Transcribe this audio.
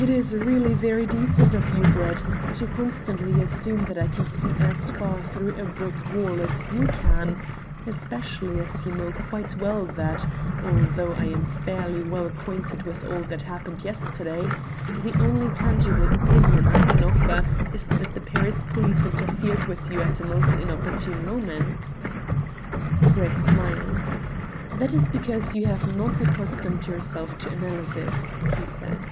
"It is really very decent of you, Brett, to constantly assume that I can see as far through a brick wall as you can, especially as you know quite well that, although I am fairly well acquainted with all that happened yesterday, the only tangible opinion I can offer is that the Paris police interfered with you at a most inopportune moment." Brett smiled. "That is because you have not accustomed yourself to analysis," he said.